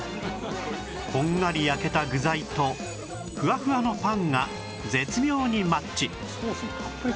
こんがり焼けた具材とふわふわのパンが絶妙にマッチ